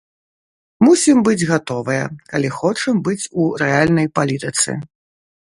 Мусім быць гатовыя, калі хочам быць у рэальнай палітыцы.